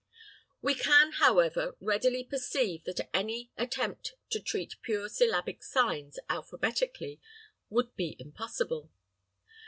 We can, however, readily perceive that any attempt to treat pure syllabic signs alphabetically would be impossible.